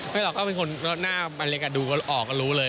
ไม่หรอกเพราะว่ามีคนน่าดอก็รู้เลย